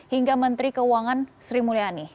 hingga menteri keuangan sri mulyani